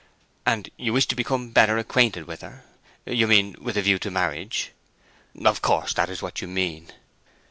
"And you wish to become better acquainted with her? You mean with a view to marriage—of course that is what you mean?"